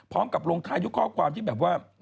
พร้อมกับลงท้ายทุกข้อความที่แบบว่า